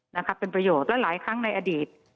นะครับเป็นประโยชน์และหลายครั้งในอดีต